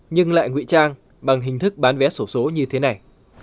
nhưng lại ngụy trang bằng hình thức bán vé sổ số như thế này